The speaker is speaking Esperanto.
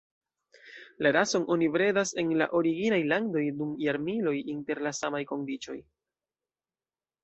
La rason oni bredas en la originaj landoj dum jarmiloj inter la samaj kondiĉoj.